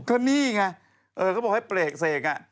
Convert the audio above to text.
ก็นี่ไงเขาบอกให้เปรกเสก